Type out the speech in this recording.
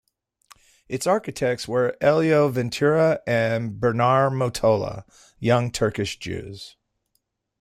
Its architects were Elyo Ventura and Bernar Motola, young Turkish Jews.